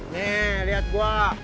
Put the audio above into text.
nih lihat gua